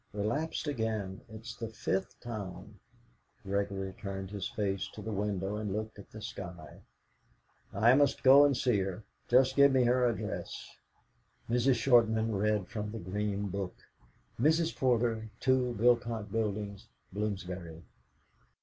"Relapsed again; it's the fifth time." Gregory turned his face to the window, and looked at the sky. "I must go and see her. Just give me her address." Mrs. Shortman read from a green book: "'Mrs. Porter, 2 Bilcock Buildings, Bloomsbury.'